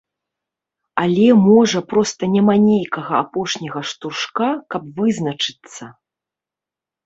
Але, можа, проста няма нейкага апошняга штуршка, каб вызначыцца?